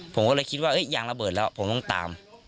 ผมก็เลยคิดว่ายางระเบิดแล้วผมต้องตาม